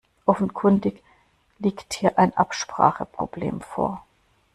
Offenkundig liegt hier ein Abspracheproblem vor.